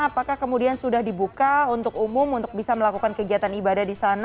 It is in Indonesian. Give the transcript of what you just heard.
apakah kemudian sudah dibuka untuk umum untuk bisa melakukan kegiatan ibadah di sana